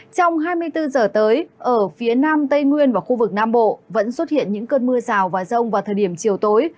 trong hai mươi bốn giờ tới ở phía nam tây nguyên và khu vực nam bộ vẫn xuất hiện những cơn mưa rào và rông vào thời điểm chiều tối